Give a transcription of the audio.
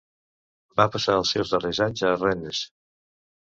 Va passar els seus darrers anys a Rennes.